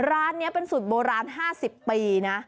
ร้านนี้เป็นสูตรโบราณ๕๐ปีนะ